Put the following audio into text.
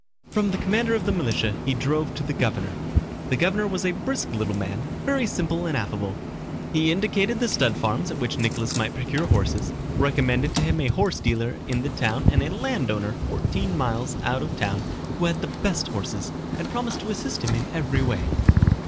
From the commander of the militia he drove to the governor. The governor was a brisk little man, very simple and affable. He indicated the stud farms at which Nicholas might procure horses, recommended to him a horse dealer in the town and a landowner fourteen miles out of town who had the best horses, and promised to assist him in every way.